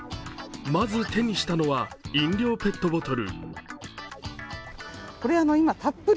まず、手にしたのは飲料ペットボトル。